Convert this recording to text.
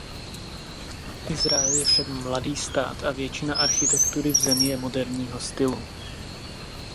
Izrael je však mladý stát a většina architektury v zemi je moderního stylu.